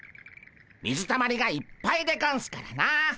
水たまりがいっぱいでゴンスからな。